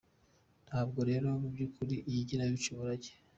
Ntabwo rero mu byukuri iyi kinamico umurage.